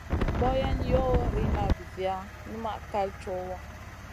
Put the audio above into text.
Boyen yoh riŋa viziya, numaʼ kal cowa.